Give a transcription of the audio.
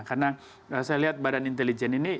karena saya lihat badan intelijen ini